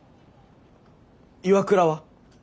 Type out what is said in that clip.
岩倉は？